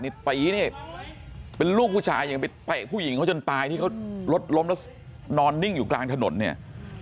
นี่ตีนี่เป็นลูกผู้ชายอย่างไปเตะผู้หญิงเขาจนตายที่เขารถล้มแล้วนอนนิ่งอยู่กลางถนนเนี่ย